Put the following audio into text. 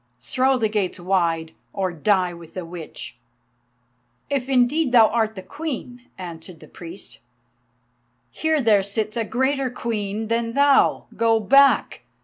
Throw the gates wide, or die with the Witch." "If indeed thou art the Queen," answered the priest, "here there sits a greater Queen than thou. Go back!